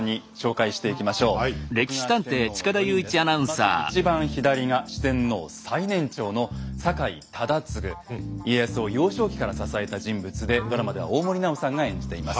まず一番左が家康を幼少期から支えた人物でドラマでは大森南朋さんが演じています。